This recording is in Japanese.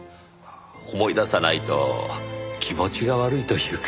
思い出さないと気持ちが悪いというか。